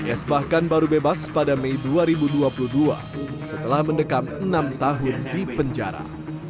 s bahkan baru bebas pada mei dua ribu dua puluh dua setelah mendekam enam tahun di penjara